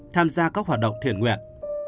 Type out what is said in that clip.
tham gia các hoạt động thiền nguyện